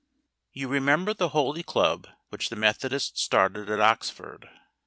YOU remember the Holy Club which the Methodists started at Oxford?